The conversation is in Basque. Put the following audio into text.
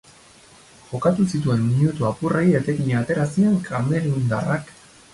Jokatu zituen minutu apurrei etekina atera zien kamerundarrak.